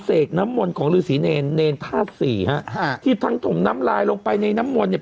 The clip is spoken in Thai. เสกน้ำมนต์ของฤษีเนรเนรธาตุสี่ฮะฮะที่ทั้งถมน้ำลายลงไปในน้ำมนต์เนี่ย